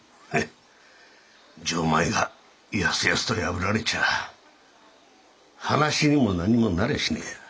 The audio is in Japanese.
フン錠前がやすやすと破られちゃ話にも何にもなりゃしねえや。